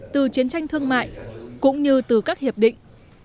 từ chiến tranh thương mại cũng như từ các hiệp định